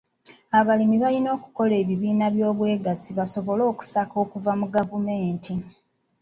Abalimi balina okukola ebibiina by'obwegassi basobole okusaka okuva mu gavumenti.